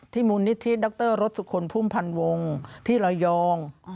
ที่มูลนิธิดรรศุคลภูมิพันธ์วงศ์ที่ระยอง